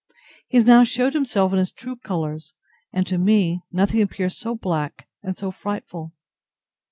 He has now shewed himself in his true colours; and, to me, nothing appear so black, and so frightful.